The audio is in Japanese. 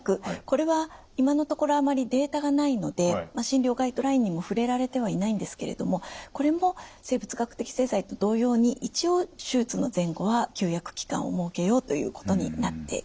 これは今のところあまりデータがないので診療ガイドラインにも触れられてはいないんですけれどもこれも生物学的製剤と同様に一応手術の前後は休薬期間を設けようということになっています。